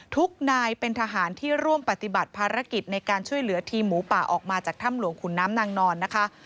ทุกนายเป็นทหารที่ร่วมปฏิบัติภารกิจในการช่วยเหลือทีมหมูป่าออกมาจากถ้ำหลวงขุนน้ำนางนอนนะคะ